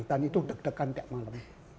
dan itu deg degan tiap malam